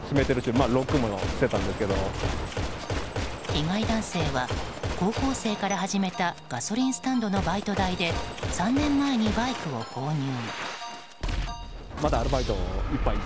被害男性は高校生から始めたガソリンスタンドのバイト代で３年前にバイクを購入。